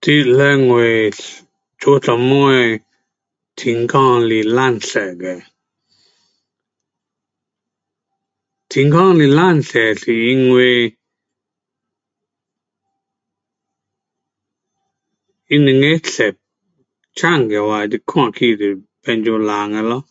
你认为做什么天空是蓝色的，天空是蓝色是因为它两个色参起来你看去就变做蓝的咯。